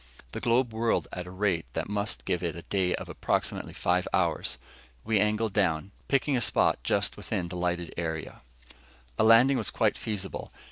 The globe whirled at a rate that must give it a day of approximately five hours. We angled down, picking a spot just within the lighted area. A landing was quite feasible.